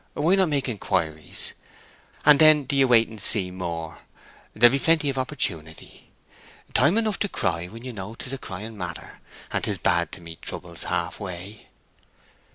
Why not make inquiries? And then do ye wait and see more; there'll be plenty of opportunity. Time enough to cry when you know 'tis a crying matter; and 'tis bad to meet troubles half way."